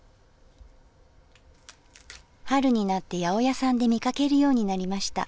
春になって八百屋さんで見かけるようになりました。